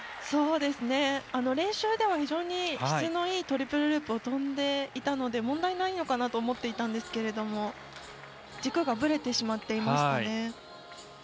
そうですね、練習では非常に質のいいトリプルループを跳んでいたので問題ないのかなと思っていたんですが軸がぶれてしまっていましたね。